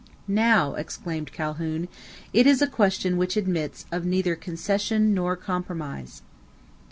"Now," exclaimed Calhoun, "it is a question which admits of neither concession nor compromise."